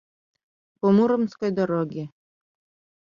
По муромской дороге